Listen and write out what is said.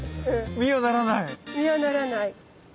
実はならない。